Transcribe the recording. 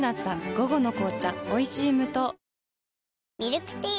午後の紅茶おいしい無糖ミルクティー